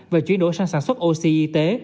và chuyển đổi sang sản xuất oxy y tế